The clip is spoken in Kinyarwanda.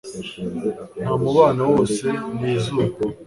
Nta mubano wose ni izuba,